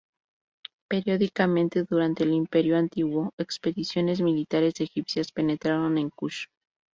Periódicamente, durante el Imperio Antiguo, expediciones militares egipcias penetraron en Kush.